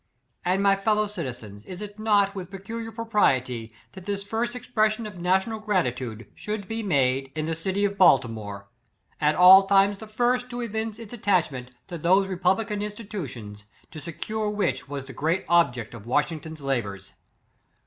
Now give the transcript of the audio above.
"And, my fellow citizens, is it not with peculiar propriety that this first expres sion of national gratitude should be made 6 in the city of Baltimore? at all times the first to evince its attachment to those re publican institutions, to secure which was the great object of WAsniNGTON'slabours.